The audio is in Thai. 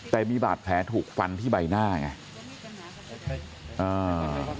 แต่มีบาดแผลถูกฟันที่ใบหน้าไงอ่า